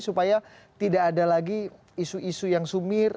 supaya tidak ada lagi isu isu yang sumir